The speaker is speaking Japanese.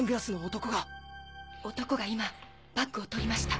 男が今バッグを取りました。